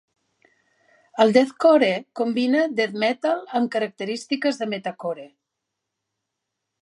El deathcore combina death metal amb característiques de metacore.